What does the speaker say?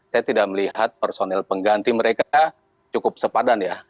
saya tidak melihat personel pengganti mereka cukup sepadan